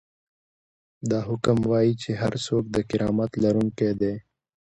دا حکم وايي چې هر څوک د کرامت لرونکی دی.